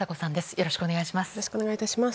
よろしくお願いします。